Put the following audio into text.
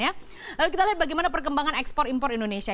lalu kita lihat bagaimana perkembangan ekspor impor indonesia